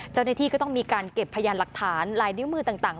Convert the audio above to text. เจ้าหน้าที่ก็ต้องมีการเก็บพยานหลักฐานลายนิ้วมือต่าง